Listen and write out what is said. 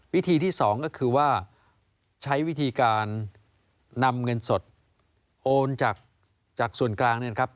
วิธีที่๒ก็คือว่าใช้วิธีการนำเงินสดโอนจากส่วนกลางเนี่ยนะครับ